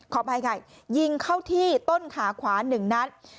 ขอบายให้ไงยิงเข้าที่ต้นขาขวานหนึ่งนัด